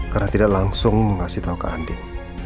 karena tidak langsung mengasih tau ke andin